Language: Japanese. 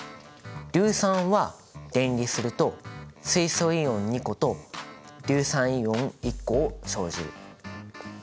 硫酸は電離すると水素イオン２個と硫酸イオン１個を生じる。